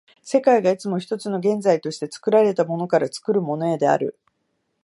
世界がいつも一つの現在として、作られたものから作るものへである。